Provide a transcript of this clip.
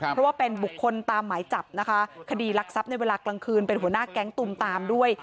เพราะว่าเป็นบุคคลตามหมายจับนะคะคดีรักทรัพย์ในเวลากลางคืนเป็นหัวหน้าแก๊งตุมตามด้วย